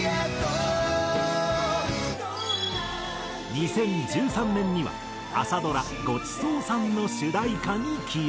２０１３年には朝ドラ『ごちそうさん』の主題歌に起用。